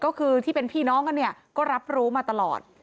ก็คือที่เป็นพี่น้องกันเนี่ยก็รับรู้มาตลอด